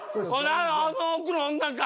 あの奥の女か？